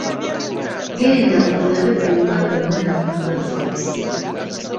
Genda olabe oba omwana wange azuukuse.